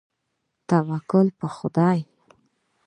توکل په خدای.